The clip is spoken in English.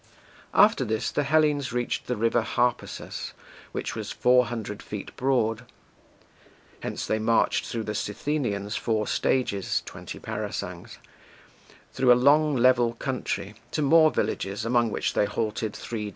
After this the Hellenes reached the river Harpasus, which was four hundred feet broad. Hence they marched through the Scythenians four stages twenty parasangs through a long level country to more villages, among which they halted three days, and got in supplies.